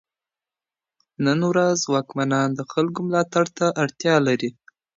نن ورځ واکمنان د خلګو ملاتړ ته اړتيا لري.